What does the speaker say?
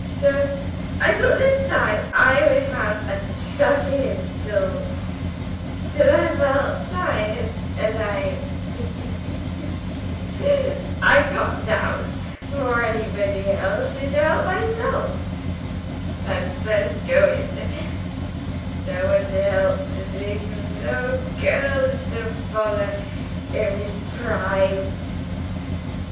So I thought this time I would have a tuck in till till I felt tired, and I he he he I got down 'fore anybody elsh and helped myshelf. Had first go in. No one to help to thingsh. No girlsh to bother. It was prime!